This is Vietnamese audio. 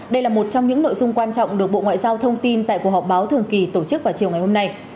đây là một trong những nội dung quan trọng được bộ ngoại giao thông tin tại cuộc họp báo thường kỳ tổ chức vào chiều ngày hôm nay